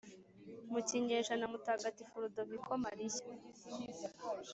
mu kinyejana mutagatifu ludoviko mariya